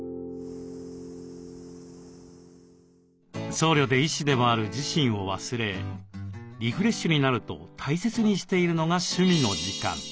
僧侶で医師でもある自身を忘れリフレッシュになると大切にしているのが趣味の時間。